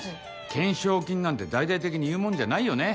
懸賞金なんて大々的に言うもんじゃないよね。